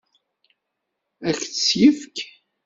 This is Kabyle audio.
Ad k-tt-yefk?